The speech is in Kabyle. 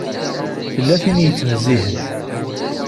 Tella tin i yettnezzihen.